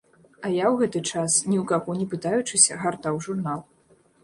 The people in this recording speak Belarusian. А я ў гэты час, ні ў каго не пытаючыся, гартаў журнал.